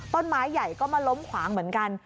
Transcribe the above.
ต้นไม้ใหญ่ก็มาล้มขวางเหมือนกัน